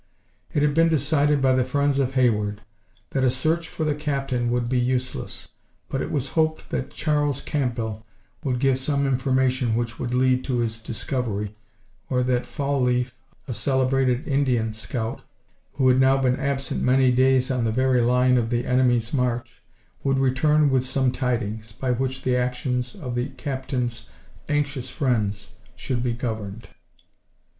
It had been decided by the friends of Hayward, that a search for the captain would be useless, but it was hoped that Charles Campbell would give some information which would lead to his discovery, or that Fall leaf, a celebrated Indian scout, who had now been absent many days on the very line of the enemy's march, would return with some tidings, by which the actions of the captain's anxious friends should be governed.